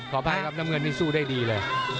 อภัยครับน้ำเงินนี่สู้ได้ดีเลย